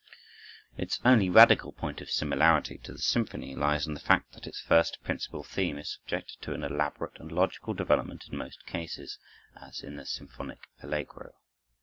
Its only radical point of similarity to the symphony lies in the fact that its first principal theme is subjected to an elaborate and logical development in most cases, as in the symphonic allegro.